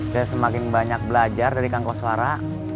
saya semakin banyak belajar dari kang koswara